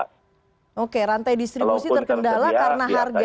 oke rantai distribusi terkendala